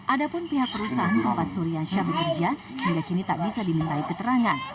ada pun pihak perusahaan tempat surian shah bekerja hingga kini tak bisa dimintai keterangan